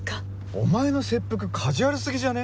お前の切腹カジュアル過ぎじゃね？